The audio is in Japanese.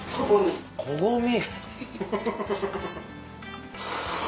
こごみ。